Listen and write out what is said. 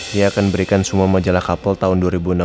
dia akan berikan semua majalah kapal tahun dua ribu enam belas